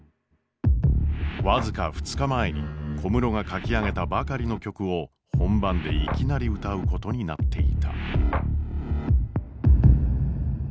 僅か２日前に小室が書き上げたばかりの曲を本番でいきなり歌うことになっていた。